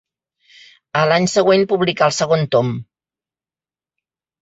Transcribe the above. A l'any següent publicà el segon tom.